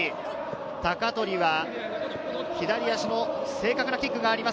鷹取は左足の正確なキックがあります。